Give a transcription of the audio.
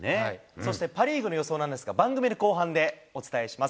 そしてパ・リーグの予想なんですが、番組の後半でお伝えします。